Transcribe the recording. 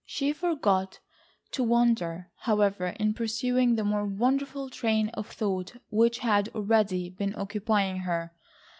She forgot to wonder, however, in pursuing the more wonderful train of thought which had already been occupying her.